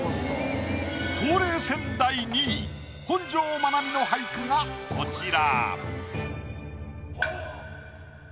冬麗戦第２位本上まなみの俳句がこちら。